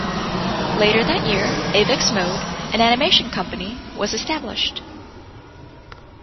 Later that year "Avex Mode", an animation company, was established.